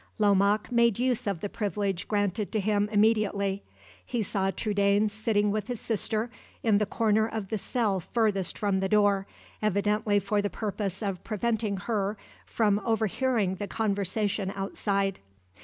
Lomaque made use of the privilege granted to him immediately. He saw Trudaine sitting with his sister in the corner of the cell furthest from the door, evidently for the purpose of preventing her from overhearing the conversation outside.